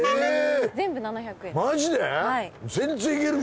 全部７００円です。